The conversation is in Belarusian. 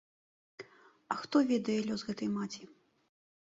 А хто ведае лёс гэтай маці?